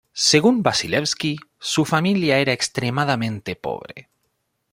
Según Vasilevski, su familia era extremadamente pobre.